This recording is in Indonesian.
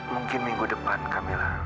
mungkin minggu depan kamila